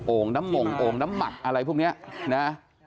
น้ำหม่งโอ่งน้ำหมักอะไรพวกนี้นะ